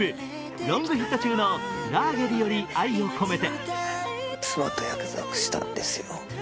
ロングヒット中の「ラーゲリより愛を込めて」。